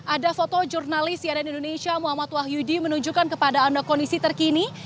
ada foto jurnalis cnn indonesia muhammad wahyudi menunjukkan kepada anda kondisi terkini